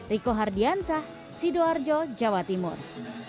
riko hardiansah sidoarjo jawa timur